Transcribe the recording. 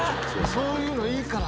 そういうのいいから。